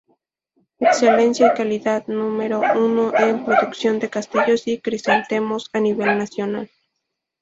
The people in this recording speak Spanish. Excelencia y calidad número uno en producción de castillos y crisantemos a nivel nacional.